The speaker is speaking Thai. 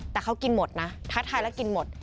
แต่เขากินหมดนะท้าทายแล้วกินหมด